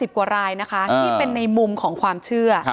กว่ารายนะคะที่เป็นในมุมของความเชื่อ